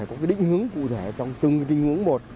có cái định hướng cụ thể trong từng cái tình hướng một